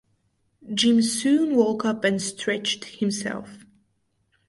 Jim soon woke up and stretched himself.